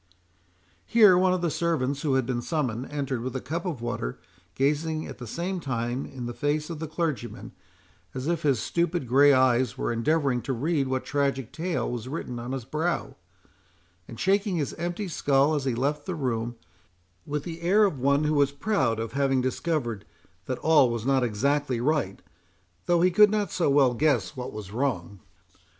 Here one of the servants who had been summoned, entered with a cup of water, gazing at the same time in the face of the clergyman, as if his stupid grey eyes were endeavouring to read what tragic tale was written on his brow; and shaking his empty skull as he left the room, with the air of one who was proud of having discovered that all was not exactly right, though he could not so well guess what was wrong.